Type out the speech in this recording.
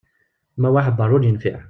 Mawa aḥebber ur yenfiɛ.